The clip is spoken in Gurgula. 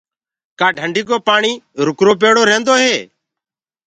ڪآ ڍندي ڪو پآڻي رُڪرو پيڙو رهيندو هي؟